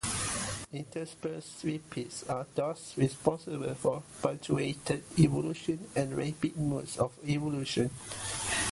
Interspersed repeats are thus responsible for punctuated evolution and rapid modes of evolution.